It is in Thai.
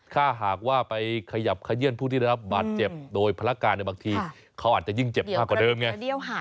ถ้าหากว่าไปขยับขยื่นผู้ที่ได้รับบาดเจ็บโดยภารการบางทีเขาอาจจะยิ่งเจ็บมากกว่าเดิมไง